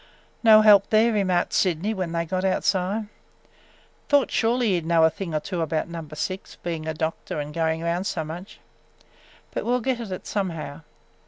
"No help there!" remarked Sydney when they got outside. "Thought surely he 'd know a thing or two about Number Six, being a doctor and going around so much. But we 'll get at it somehow.